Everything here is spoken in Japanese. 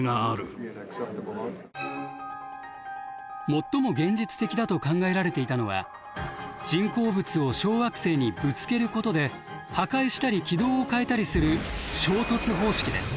最も現実的だと考えられていたのは人工物を小惑星にぶつけることで破壊したり軌道を変えたりする衝突方式です。